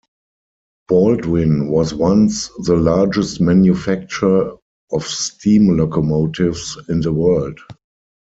Baldwin was once the largest manufacturer of steam locomotives in the world.